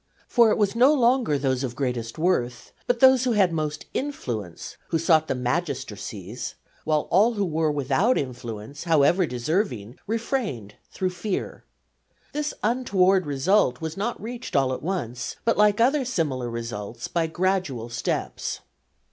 For it was no longer those of greatest worth, but those who had most influence, who sought the magistracies; while all who were without influence, however deserving, refrained through fear. This untoward result was not reached all at once, but like other similar results, by gradual steps.